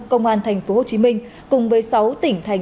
công an tp hcm cùng với sáu tỉnh thành